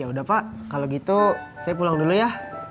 yaudah pak kalau gitu saya pulang dulu ya